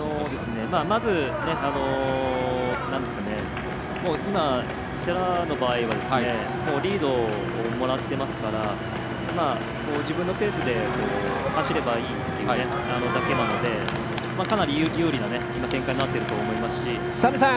まず今、世羅の場合はリードをもらってますから自分のペースで走ればいいっていうだけなのでかなり有利な展開になっていると思いますし。